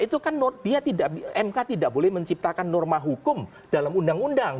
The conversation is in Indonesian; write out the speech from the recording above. itu kan dia tidak mk tidak boleh menciptakan norma hukum dalam undang undang